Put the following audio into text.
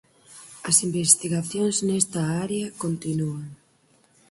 As investigacións nesta área continúan.